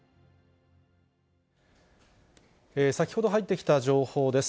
先ほど入ってきた情報です。